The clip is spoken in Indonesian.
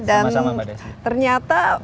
sama sama mbak desy